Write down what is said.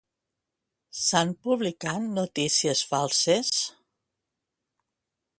S'han publicat notícies falses?